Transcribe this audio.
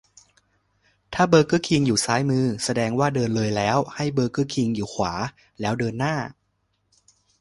ถ้าเบอร์เกอร์คิงอยู่ซ้ายมือ แสดงว่าเดินเลยแล้ว ให้เบอร์เกอร์คิงอยู่ขวา แล้วเดินหน้า